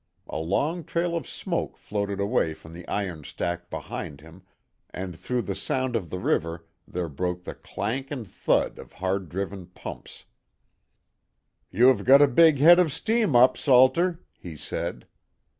A long trail of smoke floated away from the iron stack behind him, and through the sound of the river there broke the clank and thud of hard driven pumps. "You have got a big head of steam up, Salter," he said.